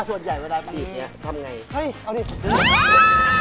ส่วนใหญ่เวลาจีบเนี่ยทำยังไง